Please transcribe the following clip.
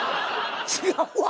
違うわ！